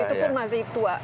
itu pun masih tua